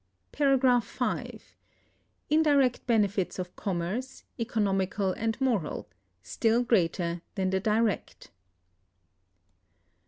Indirect benefits of Commerce, Economical and Moral; still greater than the Direct.